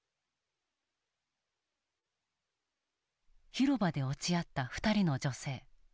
広場で落ち合った２人の女性。